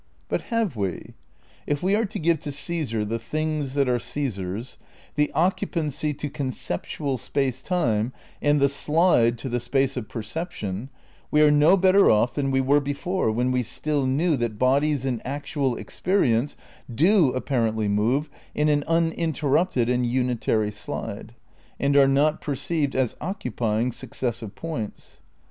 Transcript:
But have we ? If we are to give to Caesar the things that are Caesar's, the "occupancy" to conceptual space time, and the '' slide '' to the space of perception, we are no better off than we were before when we still knew that bodies in actual experience do apparently move in "an uninterrupted and unitary slide," and are not perceived as occupying successive points.